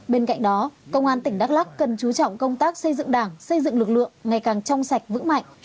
bên cạnh đó công an tỉnh đắk lắc cần chú trọng công tác xây dựng đảng xây dựng lực lượng ngày càng trong sạch vững mạnh